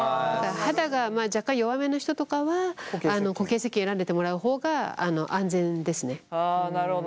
肌が若干弱めの人とかは固形せっけん選んでてもらう方が安全ですね。